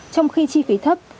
trong khi chi phí thấp